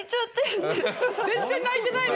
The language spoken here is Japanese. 全然泣いてない。